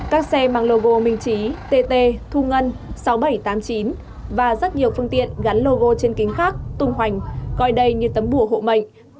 các xe mang logo minh trí tt thu ngân sáu nghìn bảy trăm tám mươi chín và rất nhiều phương tiện gắn logo trên kính khác tung hoành coi đây như tấm bùa hộ mệnh